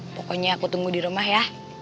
pokoknya aku tunggu di rumah ya